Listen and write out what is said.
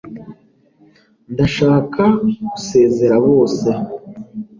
ndashaka gusezera bose